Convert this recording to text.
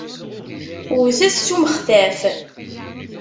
Wwtet s umextaf.